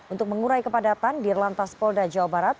untuk mengurai kepadatan di lantas polda jawa barat